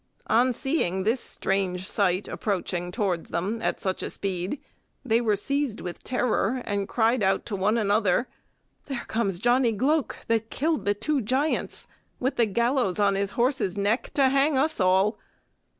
On seeing this strange sight approaching towards them at such a speed they were seized with terror, and cried out to one another, "There comes Johnny Gloke that killed the two giants with the gallows on his horse's neck to hang us all."